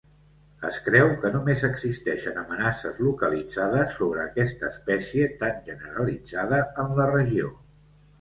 Es creu que només existeixen amenaces localitzades sobre aquesta espècie tan generalitzada en la regió.